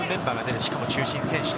しかも中心選手と。